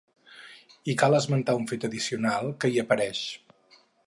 I cal esmentar un fet addicional que hi apareix.